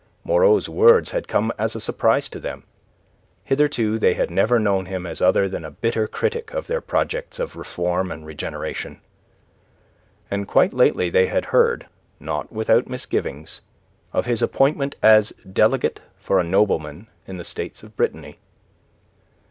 Moreau's words had come as a surprise to them. Hitherto they had never known him as other than a bitter critic of their projects of reform and regeneration; and quite lately they had heard, not without misgivings, of his appointment as delegate for a nobleman in the States of Brittany.